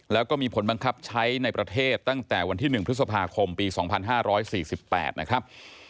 แล้วก็มีผลบังคับใช้ในประเทศตั้งแต่วันที่๑พฤษภาคมปี๒๕๔๘นะครับ